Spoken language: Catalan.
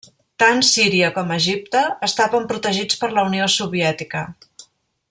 Tant Síria com Egipte estaven protegits per la Unió Soviètica.